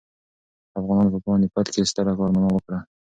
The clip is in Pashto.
افغانانو په پاني پت کې ستره کارنامه وکړه.